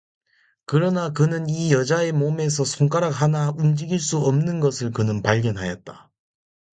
그러나 그는 이 여자의 몸에서 손가락 하나 움직일 수 없는 것을 그는 발견하였다.